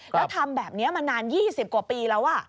แล้วทำแบบนี้มานาน๒๐กว่าปีแล้ว